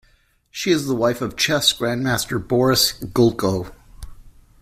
She is the wife of chess grandmaster Boris Gulko.